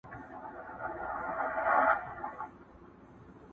چي د کابل ګرېوان ته اور توی که!!